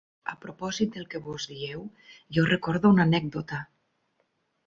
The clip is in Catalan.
A propòsit del que vós dieu, jo recordo una anècdota.